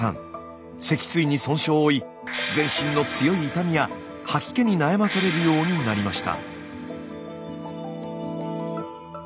脊椎に損傷を負い全身の強い痛みや吐き気に悩まされるようになりました。